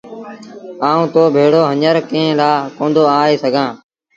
آئوٚنٚ تو ڀيڙو هڃر ڪݩهݩ لآ ڪوندو آئي سگھآݩٚ؟